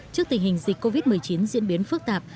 trước tình hình dịch covid một mươi chín diễn biến phức tạp